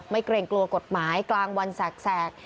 เกรงกลัวกฎหมายกลางวันแสก